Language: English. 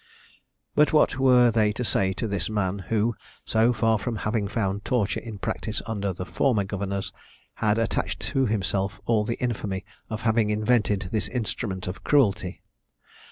"But what were they to say to this man, who, so far from having found torture in practice under the former governors, had attached to himself all the infamy of having invented this instrument of cruelty?